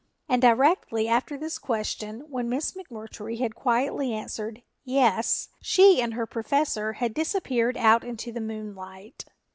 And directly after this question when Miss McMurtry had quietly answered, "yes," she and her Professor had disappeared out into the moonlight.